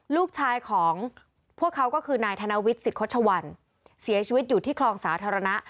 ลูกชายของพวกเขาก็คือนายธนวิทย์สิทธชวัลเสียชีวิตอยู่ที่คลองสาธารณะ